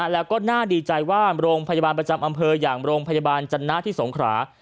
แล้วก็น่าดีใจว่าโรงพยาบาลประจำอำเภออย่างโรงพยาบาลจันนะที่สงขรา